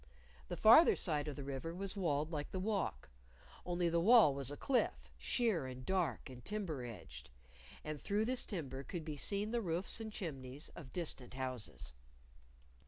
The farther side of the river was walled like the walk, only the wall was a cliff, sheer and dark and timber edged. And through this timber could be seen the roofs and chimneys of distant houses.